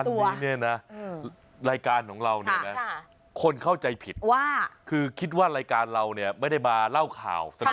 วันนี้เนี่ยนะรายการของเราเนี่ยนะคนเข้าใจผิดว่าคือคิดว่ารายการเราเนี่ยไม่ได้มาเล่าข่าวเสมอ